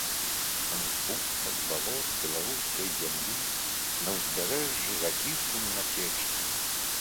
Паміж пустак, балот беларускай зямлі, на ўзбярэжжы ракі шумнацечнай.